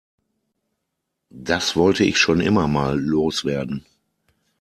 Das wollte ich schon immer mal loswerden.